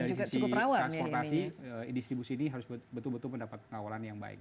dari sisi transportasi distribusi ini harus betul betul mendapat pengawalan yang baik